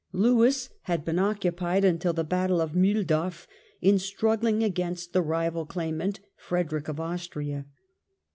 Lewis had been occupied until the battle of Mlihldorf Lewis the in struggling against the rival claimant, Frederick of^*^*^™" Austria.